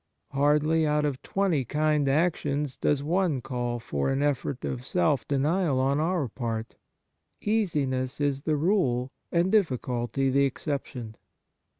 Hardly out of twenty kind actions does one call for an effort of self denial on our part. Easiness is the rule, and difficulty the exception.